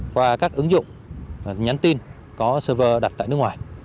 qua các ứng dụng nhắn tin có server đặt tại nước ngoài